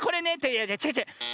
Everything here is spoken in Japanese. いやちがうちがう。